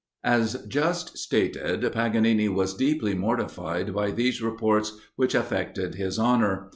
As just stated, Paganini was deeply mortified by these reports which affected his honour.